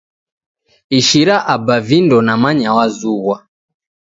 Ishira Aba vindo namanya wazughwa.